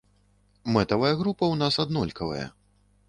Мэтавая група ў нас аднолькавая.